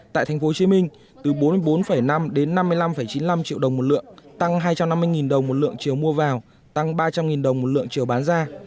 tại tp hcm từ bốn mươi bốn năm đến năm mươi năm chín mươi năm triệu đồng một lượng tăng hai trăm năm mươi đồng một lượng chiều mua vào tăng ba trăm linh đồng một lượng chiều bán ra